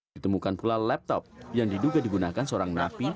ditemukan pula laptop yang diduga digunakan seorang napi